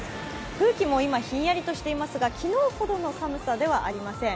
空気も今ひんやりとしていますが昨日ほどの寒さではありません。